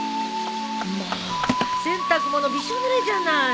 もう洗濯物びしょぬれじゃない。